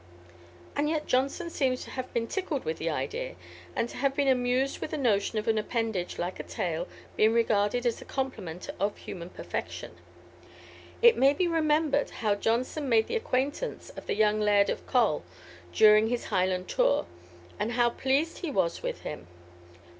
And yet Johnson seems to have been tickled with the idea, and to have been amused with the notion of an appendage like a tail being regarded as the complement of human perfection. It may be remembered how Johnson made the acquaintance of the young Laird of Col, during his Highland tour, and how pleased he was with him.